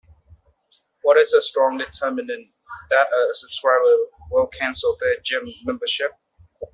What is a strong determinant that a subscriber will cancel their Gym membership?